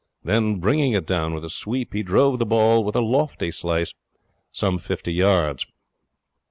Then, bringing it down with a sweep, he drove the ball with a lofty slice some fifty yards.